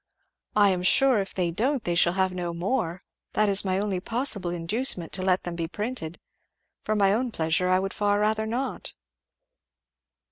"I am sure if they don't they shall have no more that is my only possible inducement to let them be printed. For my own pleasure, I would far rather not."